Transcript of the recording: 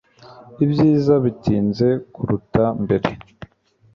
Ibyiza bitinze kuruta mbere